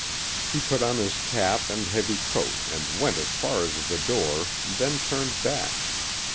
He put on his cap and heavy coat and went as far as the door, then turned back.